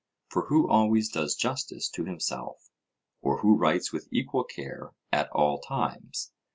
For who always does justice to himself, or who writes with equal care at all times?